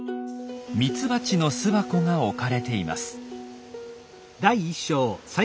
ミツバチの巣箱が置かれています。